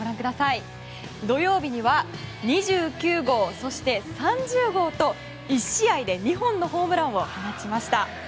土曜日には２９号そして３０号と１試合で２本のホームランを放ちました。